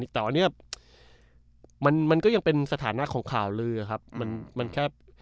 แต่อันนี้มันก็ยังเป็นสถานะของข่าวลือครับมันแค่